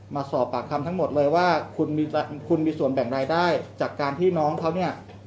มาสอบปากคำทั้งหมดเลยว่าคุณมีส่วนแบ่งรายได้จากการที่น้องเขาเนี่ย